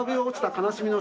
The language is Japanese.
悲しみの。